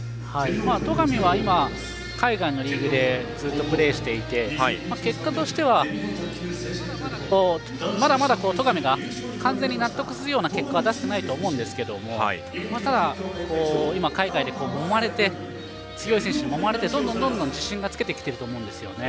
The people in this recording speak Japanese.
戸上は今海外のリーグでプレーしていて結果としては、まだまだ戸上が完全に納得するような結果は出せてないと思うんですけど、今、海外で強い選手にもまれてどんどん自信をつけてきていると思うんですよね。